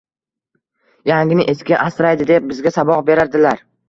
“Yangini eski asraydi”, deb, bizga saboq berardilar.